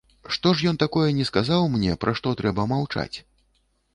Што ж ён такое не сказаў мне, пра што трэба маўчаць?